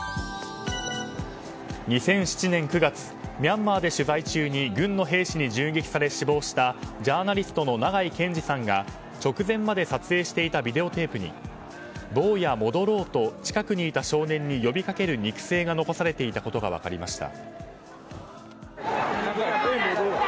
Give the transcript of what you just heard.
２００７年９月ミャンマーで取材中に軍の兵士に銃撃され死亡したジャーナリストの長井健司さんが直前まで撮影していたビデオテープに坊や戻ろうと、近くにいた少年に呼びかける肉声が残されていたことが分かりました。